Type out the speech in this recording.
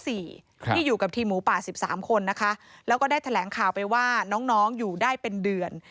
ที่อยู่กับทีมหมูป่า๑๓คนนะคะแล้วก็ได้แถลงข่าวไปว่าน้องอยู่ได้เป็นเดือน